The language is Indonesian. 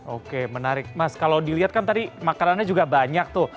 oke menarik mas kalau dilihatkan tadi makarannya juga banyak tuh